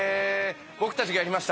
『僕たちがやりました』。